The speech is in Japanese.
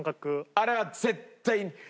あれは絶対。